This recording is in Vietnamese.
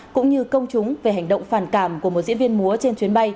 cũng như công chúng về hành động phản cảm của một diễn viên múa trên chuyến bay